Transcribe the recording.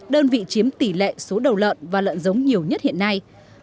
đơn vị chiếm tỷ lệ số đầu lợn và lợn giống nhiều nhất hiện nay